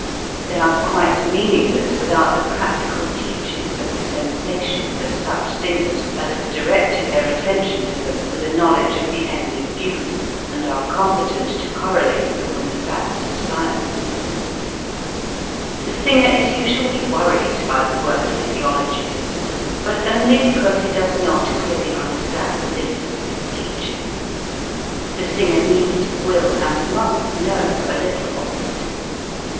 They are quite meaningless without the practical teachings of the sensa tions of such singers as have directed their attention to them with a knowledge of the end in view, and are competent to correlate them with the facts of science. 40 THE SINGER'S PHYSIOLOGICAL STUDIES 41 The singer is usually worried by the word "physiology"; but only because he does not clearly understand the limits of its teachings. The singer need, will, and must know a little of it.